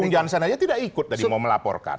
bung jansen aja tidak ikut tadi mau melaporkan